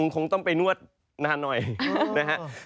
คงต้องไปนวดนานหน่อยนะครับ